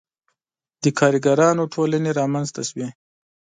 • د کارګرانو ټولنې رامنځته شوې.